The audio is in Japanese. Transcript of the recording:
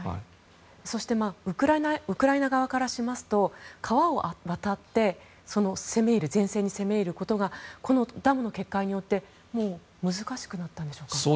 そしてウクライナ側からしますと川を渡って前線に攻め入ることがこのダムの決壊によって難しくなったんでしょうか。